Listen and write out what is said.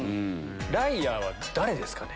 ライアーは誰ですかね？